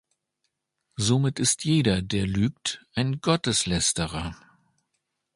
Somit ist jeder, der lügt, ein Gotteslästerer.